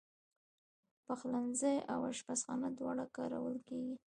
پخلنځی او آشپزخانه دواړه کارول کېږي.